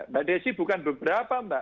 mbak desi bukan beberapa mbak